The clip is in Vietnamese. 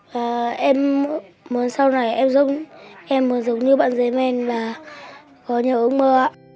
và em muốn sau này em giống như bạn dế mèn và có nhiều ước mơ